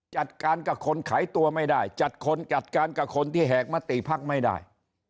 จัดการกับคนไขตัวไม่ได้จัดการกับคนที่แหกมาตีพักไม่ได้